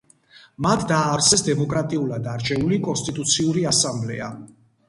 მათ დააარსეს დემოკრატიულად არჩეული კონსტიტუციური ასამბლეა.